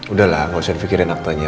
udahlah gak usah mikirin aktenya